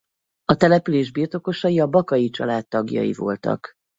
A település birtokosai a Bakay család tagjai voltak.